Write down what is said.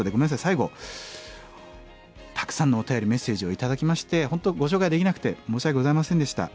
最後たくさんのお便りメッセージを頂きまして本当ご紹介できなくて申し訳ございませんでした。